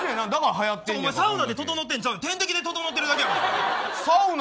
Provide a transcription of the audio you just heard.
サウナでととのってんちゃう点滴でととのってるだけやんけ